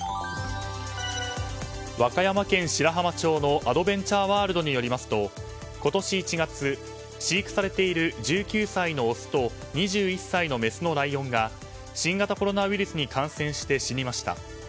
和歌山県白浜町のアドベンチャーワールドによりますと今年１月、飼育されている１９歳のオスと２１歳のメスのライオンが新型コロナウイルスに感染して死にました。